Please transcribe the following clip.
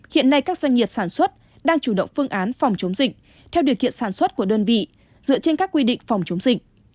hiện nay các doanh nghiệp sản xuất đang chủ động phương án phòng chống dịch theo điều kiện sản xuất của đơn vị dựa trên các quy định phòng chống dịch